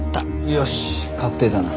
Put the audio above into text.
よし確定だな。